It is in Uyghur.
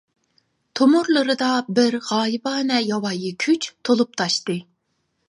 تومۇرلىرىدا بىر غايىبانە ياۋايى كۈچ تولۇپ تاشتى.